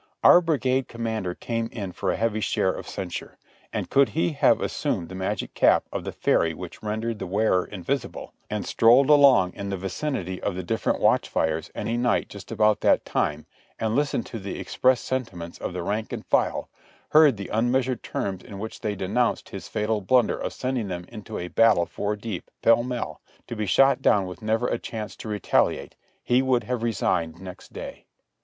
Our brigade commander came in for a heavy share of censure, and could he have assumed the magic cap of the fairy which ren dered the wearer invisible, and strolled along in the vicinitv of the 148 JOHNNY REB AND BIIvI^Y YANK different watch fires any night just about that time, and hstened to the expressed sentiments of the rank and file, — heard the un measured terms in which they denounced his fatal blunder of sending them into a battle four deep, pell mell, to be shot down with never a chance to retaliate, he would have resigned next day.